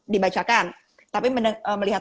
dibacakan tapi melihat